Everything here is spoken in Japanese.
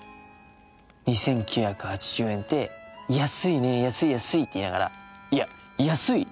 「２９８０円って安いね安い安い」って言いながらいや安い？